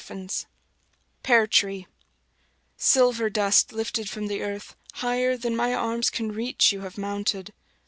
Y Z Pear Tree SILVER dust lifted from the earth, higher than my arms can reach, you have mounted.